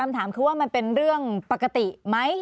คำถามคือว่ามันเป็นเรื่องปกติไหม